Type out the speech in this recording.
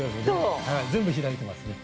全部開いてますね。